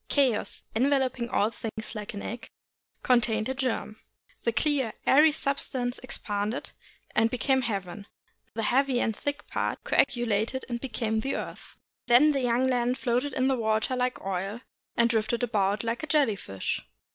Chaos, enveloping all things like an egg, contained a germ. The clear, airy substance expanded and became heaven, the heavy and thick part coagulated and became the earth. Then the young land floated in the water like oil, and drifted about like a jelly fish.